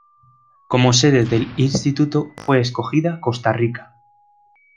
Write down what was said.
Como sede del Instituto fue escogida Costa Rica.